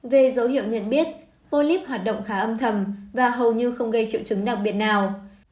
về dấu hiệu nhận biết polyp hoạt động khá âm thầm và hầu như không gây triệu chứng đặc biệt nào